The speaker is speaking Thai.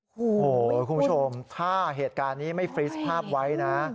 โอ้โหคุณผู้ชมถ้าเหตุการณ์นี้ไม่ฟรีสภาพไว้นะ